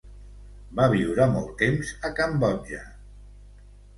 Va viure molts temps a Cambodja.